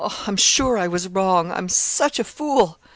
'I'm sure I was wrong. I'm such a fool!'